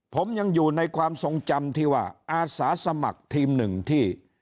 ผมยังอยู่ในความทรงจำที่ว่าอาสาสมัครทีมหนึ่งที่